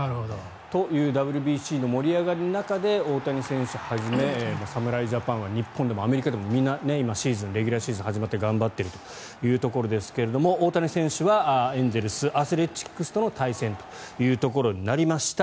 というＷＢＣの盛り上がりの中で大谷選手はじめ侍ジャパンは日本でもアメリカでもみんなレギュラーシーズンが始まって頑張っているというところですが大谷選手はエンゼルス、アスレチックスとの対戦というところになりました。